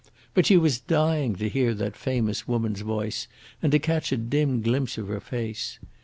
But she was dying to hear that famous woman's voice and to catch a dim glimpse of her face.